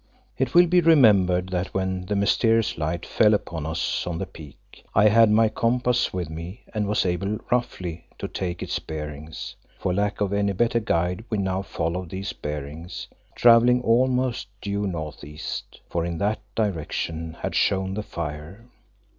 It will be remembered that when the mysterious light fell upon us on the peak I had my compass with me and was able roughly to take its bearings. For lack of any better guide we now followed these bearings, travelling almost due north east, for in that direction had shone the fire.